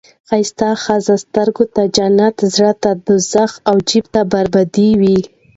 ښایسته ښځه سترګو ته جنت، زړه ته دوزخ او جیب بربادي وي.